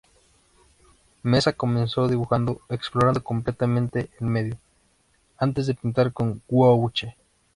Meza comenzó dibujando, explorando completamente el medio, antes de pintar con gouache.